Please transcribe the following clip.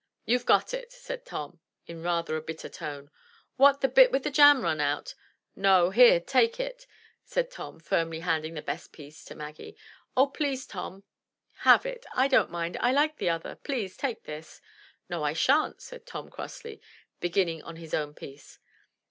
"You've got it," said Tom in rather a bitter tone. "What! the bit with the jam run out?" "No; here take it," said Tom, firmly handing the best piece to Maggie. "Oh, please, Tom, have it; I don't mind — I like the other; please take this." "No, I shan't," said Tom crossly, beginning on his own piece.